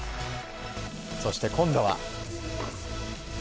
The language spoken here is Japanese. そして、今度は。